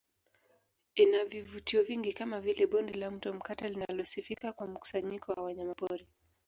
Ina vivutio vingi kama vile Bonde la Mto Mkata linalosifika kwa mkusanyiko wa wanyamapori